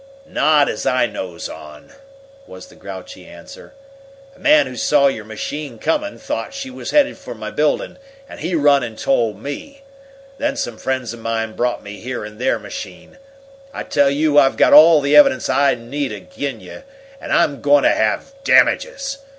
"Not as I knows on," was the grouchy answer. "A man who saw your machine coming thought she was headed for my building, and he run and told me. Then some friends of mine brought me here in their machine. I tell you I've got all the evidence I need ag'in you, an' I'm going to have damages!